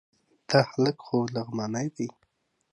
دا هلک خو لغمانی دی...